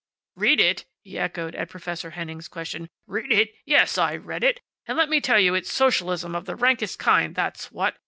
"Read it!" he echoed, at Professor Henning's question. "Read it! Yes, I read it. And let me tell you it's socialism of the rankest kind, that's what!